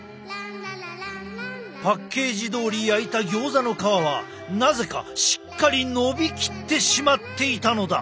パッケージどおり焼いたギョーザの皮はなぜかしっかりのびきってしまっていたのだ。